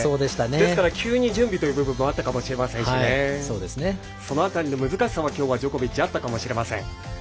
ですから急に準備というところもあったと思いますしその辺りの難しさもジョコビッチは今日あったかもしれません。